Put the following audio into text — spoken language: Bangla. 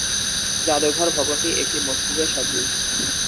জাদুঘর ভবনটি একটি মসজিদের সদৃশ।